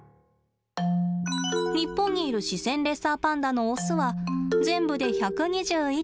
日本にいるシセンレッサーパンダのオスは全部で１２１頭です。